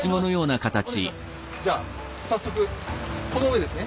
じゃあ早速この上ですね？